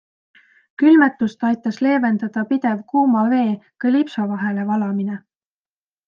Külmetust aitas leevendada pidev kuuma vee kalipso vahele valamine.